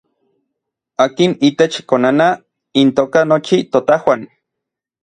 Akin itech konanaj intoka nochi totajuan.